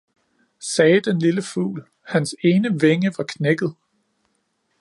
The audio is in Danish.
sagde den lille fugl, hans ene vinge var knækket.